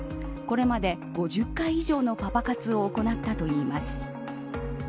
これまで５０回以上のパパ活を行ったといいます。